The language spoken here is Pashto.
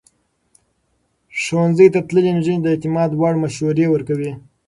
ښوونځی تللې نجونې د اعتماد وړ مشورې ورکوي.